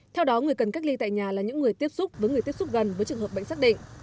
theo đó người cần cách ly tại nhà là những người tiếp xúc với người tiếp xúc gần với trường hợp bệnh xác định